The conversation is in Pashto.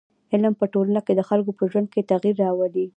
علم په ټولنه کي د خلکو په ژوند کي تغیر راولي.